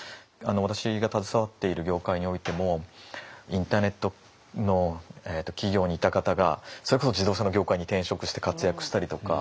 私が携わっている業界においてもインターネットの企業にいた方がそれこそ自動車の業界に転職して活躍したりとか。